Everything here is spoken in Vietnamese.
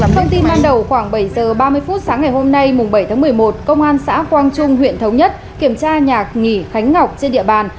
thông tin ban đầu khoảng bảy h ba mươi phút sáng ngày hôm nay bảy tháng một mươi một công an xã quang trung huyện thống nhất kiểm tra nhà nghỉ khánh ngọc trên địa bàn